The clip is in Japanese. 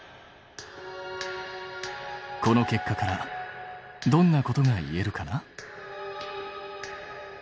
この結果からどんなことがいえるかな？